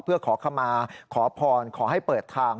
เพื่อขอขมาขอพรขอให้เปิดทาง